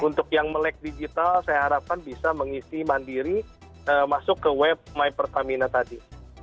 untuk yang melek digital saya harapkan bisa mengisi mandiri masuk ke web my pertamina tadi